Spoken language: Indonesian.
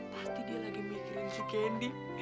pasti dia lagi mikirin si kendi